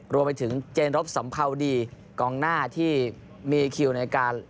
รวมไปถึงเจนรบสัมภาวดีกองหน้าที่มีคิวในการ